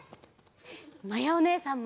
まやおねえさんも！